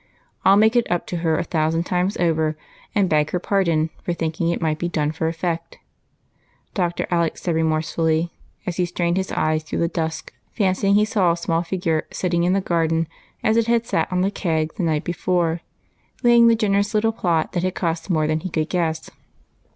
I'll make it up to her a thou sand times over, and beg her pardon for thinking it might be done for effect," Dr. Alec said remorsefully, as he strained his eyes through the dusk, fancying he saw a small figure sitting in the garden as it had sat ROSE'S SACRIFICE, 113 on the keg the night before, laying the generous little l^lot that had cost more than he could guess.